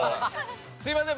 すいません。